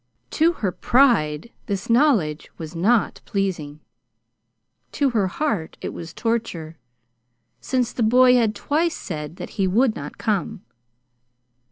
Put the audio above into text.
To her pride this knowledge was not pleasing. To her heart it was torture since the boy had twice said that he would not come.